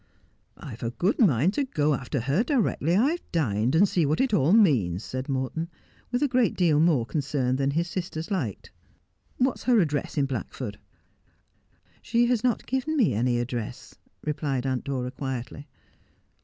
' I have a good mind to go after her directly I have dined, and see what it all means,' said Morton with a great deal more concern than his sisters liked. ' What is her address in Blackford ?' 'She has not given me any address,' replied Aunt Dora quietly.